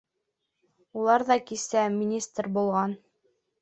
Уларҙа кисә министр булған!